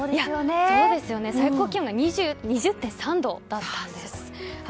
最高気温が２０．３度だったんです。